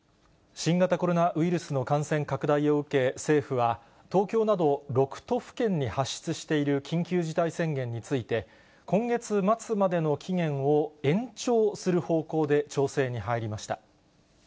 新型コロナウイルスの感染拡大を受け、政府は、東京など６都府県に発出している緊急事態宣言について、今月末までの期限を延長する方向で調整に入りました。